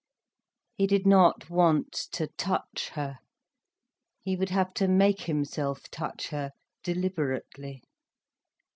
He did not want to touch her. He would have to make himself touch her, deliberately.